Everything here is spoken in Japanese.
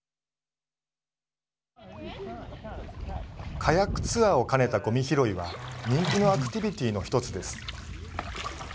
カヤックツアーを兼ねたごみ拾いは人気のアクティビティーの１つです。